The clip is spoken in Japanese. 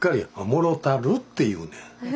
「もろうたる」って言うねん。